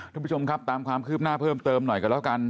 ทุกผู้ชมครับตามความคืบหน้าเพิ่มเติมหน่อยกันแล้วกัน